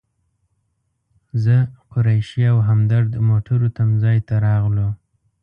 زه، قریشي او همدرد موټرو تم ځای ته راغلو.